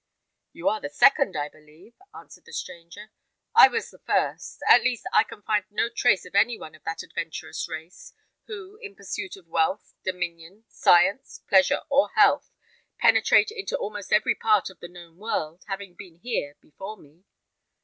"You are the second, I believe," answered the stranger. "I was the first; at least I can find no trace of any one of that adventurous race, who, in pursuit of wealth, dominion, science, pleasure, or health, penetrate into almost every part of the known world, having been here before me."